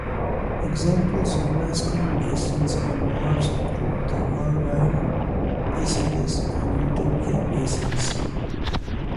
Examples of mascon basins on Mars include the Argyre, Isidis, and Utopia basins.